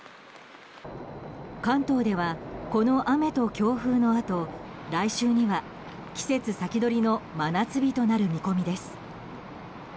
関東では、この雨と強風のあと来週には季節先取りの真夏日となる見込みです。